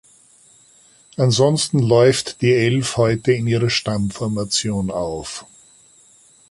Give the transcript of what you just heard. Ansonsten läuft die Elf heute in ihrer Stammformation auf.